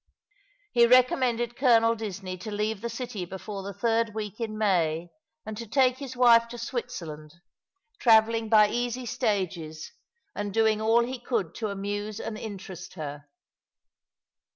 He recommended Colonel Disney to leave the city before the third week in May, and to take his wife to Switzerland, travelling by easy stages. 272 All along the River, and doing all he could to amuse and interest, her.